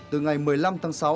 từ ngày một mươi năm tháng sáu